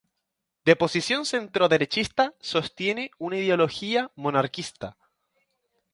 De posición centroderechista, sostiene una ideología monarquista.